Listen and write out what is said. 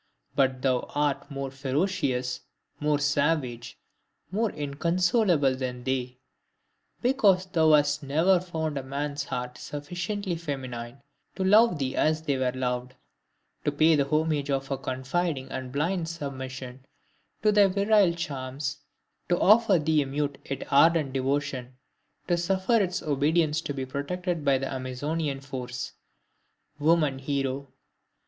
But thou art more ferocious, more savage, more inconsolable than they, because thou hast never found a man's heart sufficiently feminine to love thee as they were loved, to pay the homage of a confiding and blind submission to thy virile charms, to offer thee a mute yet ardent devotion, to suffer its obedience to be protected by thy Amazonian force! Woman hero!